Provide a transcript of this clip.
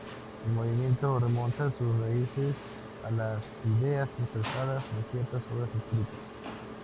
El movimiento remonta sus raíces a las ideas expresadas en ciertas obras escritas.